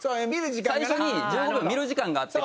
最初に１５秒見る時間があって。